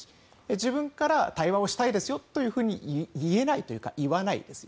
自分から対話をしたいと言えないというか言わないです。